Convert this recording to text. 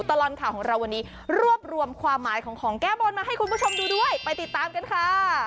ตลอดข่าวของเราวันนี้รวบรวมความหมายของของแก้บนมาให้คุณผู้ชมดูด้วยไปติดตามกันค่ะ